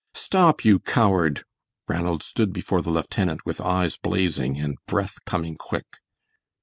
"Stop! you coward!" Ranald stood before the lieutenant with eyes blazing and breath coming quick.